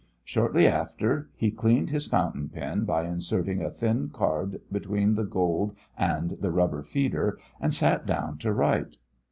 Shortly after, he cleaned his fountain pen, by inserting a thin card between the gold and the rubber feeder, and sat down to write.